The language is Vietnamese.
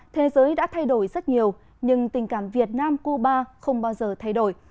thế giới đã thay đổi rất nhiều nhưng tình cảm việt nam cuba không bao giờ thay đổi